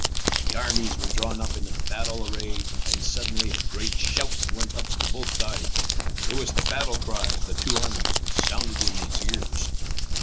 The armies were drawn up in battle array, and suddenly a great shout went up from both sides. It was the battle cry of the two armies which sounded in his ears.